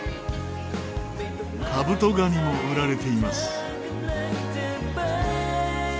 カブトガニも売られています。